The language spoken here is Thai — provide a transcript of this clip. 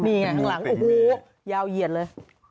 นี่ไงข้างหลังโอ้โหยาวเหยียดเลย